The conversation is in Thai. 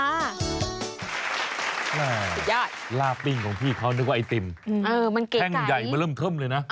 สุดยอดลาบปิ้งของพี่เขานึกว่าไอติมแท่งใหญ่มันเริ่มเทิมเลยนะ